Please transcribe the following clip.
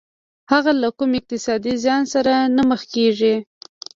هغه له کوم اقتصادي زيان سره نه مخ کېږي.